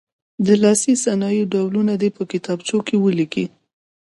د لاسي صنایعو ډولونه دې په کتابچو کې ولیکي.